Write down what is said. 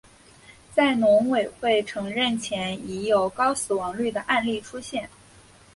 在农委会承认前已有高死亡率的案例出现。